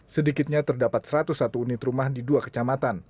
sedikitnya terdapat satu ratus satu unit rumah di dua kecamatan